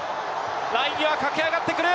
ライン際かけ上がってくる。